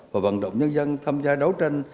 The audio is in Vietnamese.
và vận động nhân dân tham gia đấu tranh